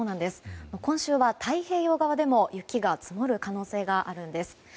今週は太平洋側でも雪が積もる可能性があるんです。